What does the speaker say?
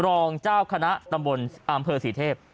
รองเจ้าคณะตำบลอำเภอศรีเทพ